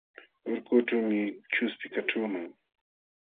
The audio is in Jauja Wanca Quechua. Urkuućhuumi chuspi kaćhuuman.